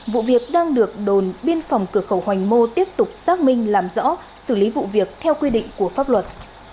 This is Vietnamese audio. vụ việc đang được đồn biên phòng cửa khẩu hoành mô tiếp tục xác minh làm rõ xử lý vụ việc theo quy định của pháp luật